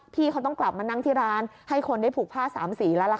พี่เขาต้องกลับมานั่งที่ร้านให้คนได้ผูกผ้าสามสีแล้วล่ะค่ะ